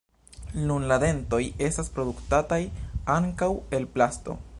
Nun la dentoj estas produktataj ankaŭ el plasto.